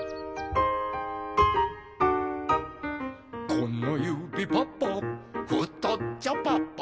「このゆびパパふとっちょパパ」